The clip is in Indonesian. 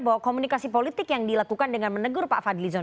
bahwa komunikasi politik yang dilakukan dengan menegur pak fadlizon